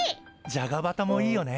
じゃがバタもいいよね。